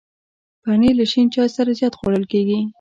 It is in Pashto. پنېر له شین چای سره زیات خوړل کېږي.